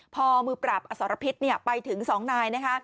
พอมือปรับอสรพิษไปถึง๒นายนะคะ